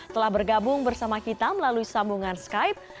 telah bergabung bersama kita melalui sambungan skype